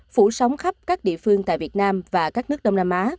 phủ sóng khắp các địa phương tại việt nam và các nước đông nam á